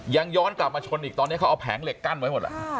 ย้อนกลับมาชนอีกตอนนี้เขาเอาแผงเหล็กกั้นไว้หมดแล้ว